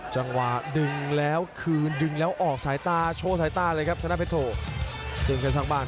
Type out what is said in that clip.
จังหวะดึงแล้วคืนดึงแล้วออกสายตาโชว์สายตาเลยครับธนาเพชรโทดึงกันสร้างบ้าน